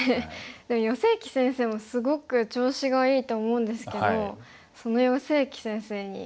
でも余正麒先生もすごく調子がいいと思うんですけどその余正麒先生に。